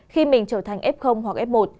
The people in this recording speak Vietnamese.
khi mình trở thành f hoặc f một